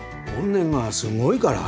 怨念がすごいから。